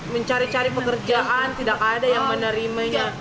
mencari cari pekerjaan tidak ada yang menerimanya